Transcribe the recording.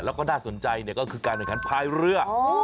แล้วก็น่าสนใจก็คือการแข่งขันพายเรือ